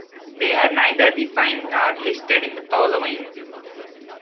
They are neither defined, nor listed in the following.